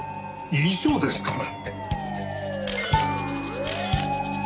遺書ですかね？